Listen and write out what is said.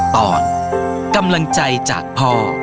ตอนกำลังใจจากพ่อ